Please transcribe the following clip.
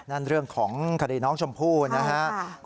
นั่นเรื่องของคดีน้องชมพู่นะครับ